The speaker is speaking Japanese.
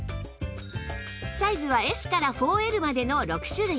サイズは Ｓ から ４Ｌ までの６種類